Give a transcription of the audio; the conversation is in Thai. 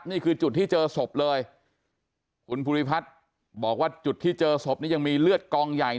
นี่คือจุดที่เจอศพเลยคุณภูริพัฒน์บอกว่าจุดที่เจอศพนี้ยังมีเลือดกองใหญ่